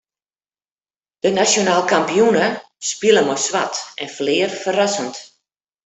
De nasjonaal kampioene spile mei swart en ferlear ferrassend.